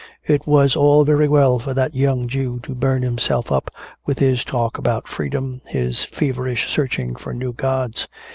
It was all very well for that young Jew to burn himself up with his talk about freedom, his feverish searching for new gods.